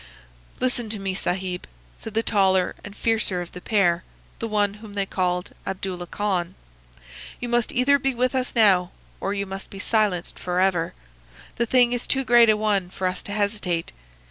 "'Listen to me, Sahib,' said the taller and fiercer of the pair, the one whom they called Abdullah Khan. 'You must either be with us now or you must be silenced forever. The thing is too great a one for us to hesitate.